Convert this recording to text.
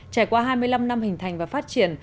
trải qua hai mươi năm năm hình thành và phát triển